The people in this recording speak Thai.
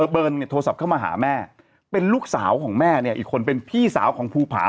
เบิร์นเนี่ยโทรศัพท์เข้ามาหาแม่เป็นลูกสาวของแม่เนี่ยอีกคนเป็นพี่สาวของภูผา